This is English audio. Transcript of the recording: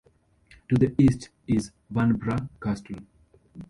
To the east is Vanbrugh Castle.